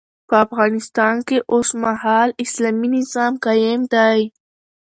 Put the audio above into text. په افغانستان کي اوسمهال اسلامي نظام قايم دی